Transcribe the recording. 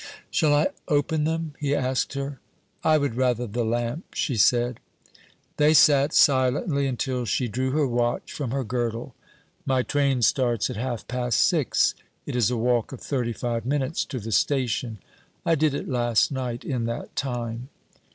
'Shall I open them?' he asked her. 'I would rather the lamp,' she said. They sat silently until she drew her watch from her girdle. 'My train starts at half past six. It is a walk of thirty five minutes to the station. I did it last night in that time.'